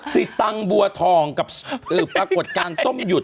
สิตังบัวทองกับปรากฏการณ์ส้มหยุด